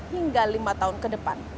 hingga lima tahun ke depan